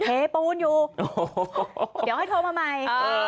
สวัสดีสวัสดี